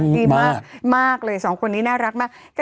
ดีมากเลยสองคนนี้น่ารักมาก